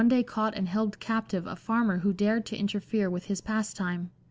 day caught and held captive a farmer who dared to inter fere with his pastime.